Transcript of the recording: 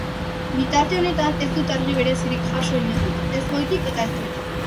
Bitarte honetan ez dut argi berezirik jaso inondik, ez goitik eta ez behetik.